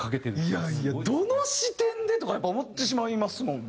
いやいやどの視点で？とかやっぱり思ってしまいますもんね。